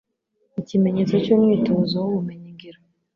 Ikimenyetso cy'umwitozo w'ubumenyi ngiro.